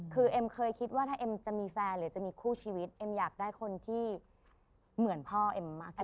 คือเอ็มเคยคิดว่าถ้าเอ็มจะมีแฟนหรือจะมีคู่ชีวิตเอ็มอยากได้คนที่เหมือนพ่อเอ็มมากขึ้น